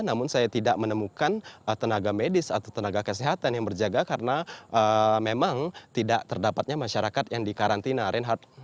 namun saya tidak menemukan tenaga medis atau tenaga kesehatan yang berjaga karena memang tidak terdapatnya masyarakat yang dikarantina reinhardt